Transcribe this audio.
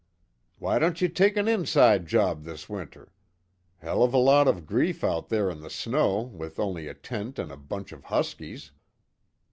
"Why don't you take an inside job this winter. Hell of a lot of grief out there in the snow with only a tent and a bunch of huskies."